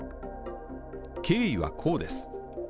経緯は、こうです。